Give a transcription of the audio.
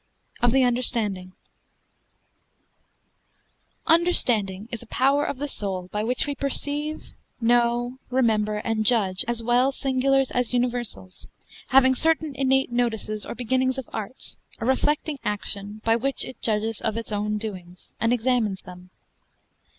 —Of the Understanding. Understanding is a power of the soul, by which we perceive, know, remember, and judge as well singulars, as universals, having certain innate notices or beginnings of arts, a reflecting action, by which it judgeth of his own doings, and examines them.